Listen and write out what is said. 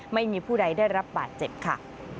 ไม่มีผู้ใดได้รับบาดเจ็บค่ะ